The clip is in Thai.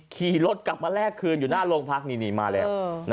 ขี่รถกลับมาแลกคืนอยู่หน้าโรงพักนี่มาแล้ว